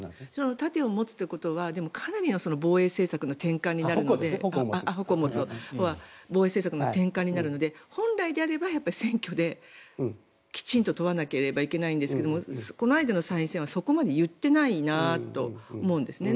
矛を持つということはかなりの防衛政策の転換になるので本来であれば選挙できちんと問わなきゃいけないんですがこの間の参院選はそこまで言っていないなと思うんですね。